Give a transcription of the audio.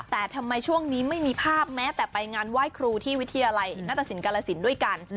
แต่ทำไมช่วงนี้ไม่มีภาพแม้แต่ไปงานไหว้ครูที่วิทยาลัยหน้าตสินกาลสินด้วยกัน